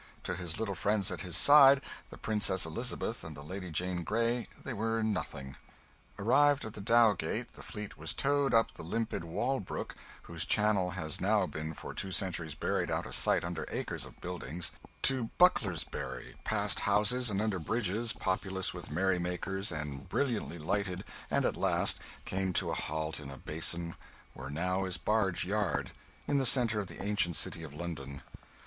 To his little friends at his side, the Princess Elizabeth and the Lady Jane Grey, they were nothing. Arrived at the Dowgate, the fleet was towed up the limpid Walbrook (whose channel has now been for two centuries buried out of sight under acres of buildings) to Bucklersbury, past houses and under bridges populous with merry makers and brilliantly lighted, and at last came to a halt in a basin where now is Barge Yard, in the centre of the ancient city of London.